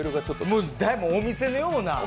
お店のような。